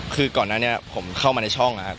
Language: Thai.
คือก่อนหน้านี้ผมเข้ามาในช่องครับ